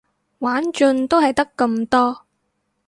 玩盡都係得咁多